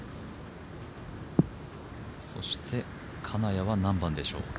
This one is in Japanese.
そして金谷は何番でしょう？